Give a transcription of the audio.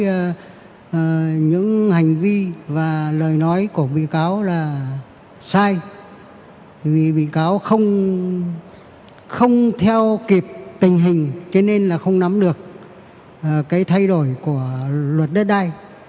bị cáo đã thấy những hành vi và lời nói của bị cáo là sai vì bị cáo không theo kiệp tình hình nên không nắm được thay đổi của luật đất đai